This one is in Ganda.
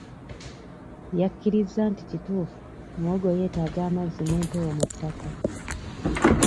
Yakkirizza nti kituufu muwogo yeetaaga amazzi n'empewo mu ttaka.